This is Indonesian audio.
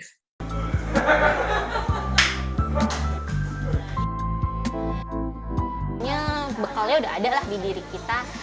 sebenarnya bekalnya sudah ada di diri kita